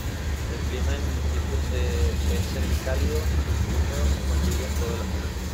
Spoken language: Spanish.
El clima del municipio es semicálido subhúmedo con lluvias todo el año.